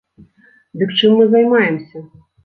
Дык чым мы займаемся?